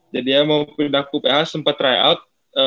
jadi ya mau pindah ke uph sempet try out